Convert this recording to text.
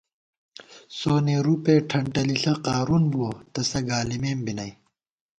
سونے رُپے ٹھنٹَلِݪہ قارُون بُوَہ، تسہ گالِمېم بی نئی